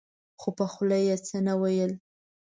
خو په خوله يې څه نه ويل.